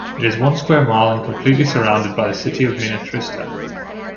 It is one square mile and completely surrounded by the city of Minnetrista.